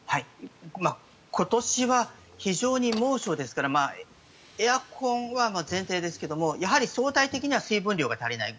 今年は非常に猛暑ですからエアコンは前提ですけどもやはり相対的には水分量が足りない。